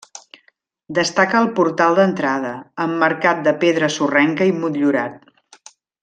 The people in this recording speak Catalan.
Destaca el portal d'entrada, emmarcat de pedra sorrenca i motllurat.